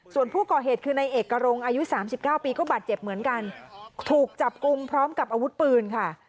ส่วนผู้ก่อเหตุคือในเอกรงอายุ๓๙ปีก็บาดเจ็บเหมือนกันถูกจับกลุ่มพร้อมกับอาวุธปืนค่ะ